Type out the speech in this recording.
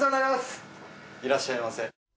いらっしゃいませ。